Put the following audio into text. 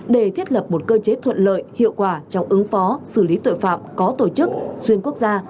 để thiết lập một cơ chế thuận lợi hiệu quả trong ứng phó xử lý tội phạm có tổ chức xuyên quốc gia